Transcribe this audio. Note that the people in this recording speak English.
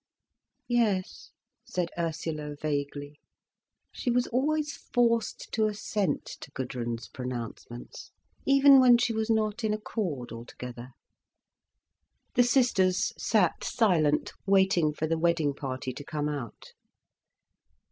"Yes," said Ursula vaguely. She was always forced to assent to Gudrun's pronouncements, even when she was not in accord altogether. The sisters sat silent, waiting for the wedding party to come out.